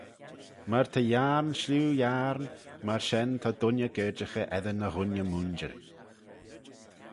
Myr ta yiarn shlieu yiarn, myr shen ta dooinney gerjaghey eddin e ghooinney-mooinjer.